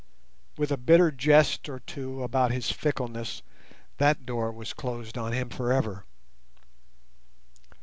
With a bitter jest or two about his fickleness, that door was closed on him for ever.